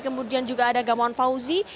kemudian juga ada gamawan fauzi